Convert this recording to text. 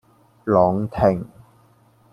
朗廷